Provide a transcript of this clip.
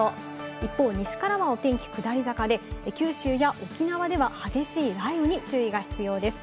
一方、西からお天気下り坂で、九州や沖縄では激しい雷雨に注意が必要です。